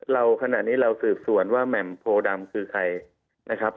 เราขณะนี้สืบสวนว่าแหม่มโพดำคือใคร